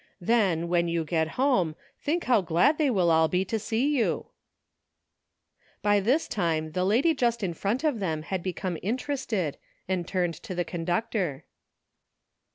Then, when you get home, think how glad they will all be to see you !" By this time the lady just in front of them had become interested and turned to the conductor.